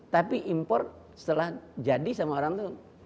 tapi import setelah jadi sama orang itu